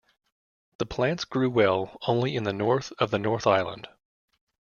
The plants grew well only in the north of the North Island.